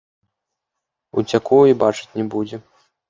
Уцяку, і бачыць не будзе!